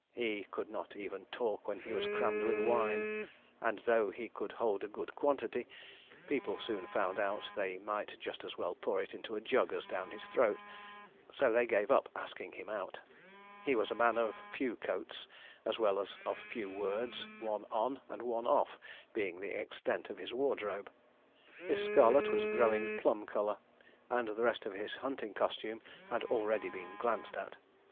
He could not even talk when he was crammed with wine, and though he could hold a good quantity, people soon found out they might just as well pour it into a jug as down his throat, so they gave up asking him out. He was a man of few coats, as well as of few words; one on, and one off, being the extent of his wardrobe. His scarlet was growing plum colour, and the rest of his hunting costume has been already glanced at.